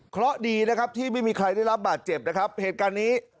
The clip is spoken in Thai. เพราะดีนะครับที่ไม่มีใครได้รับบาดเจ็บนะครับเหตุการณ์นี้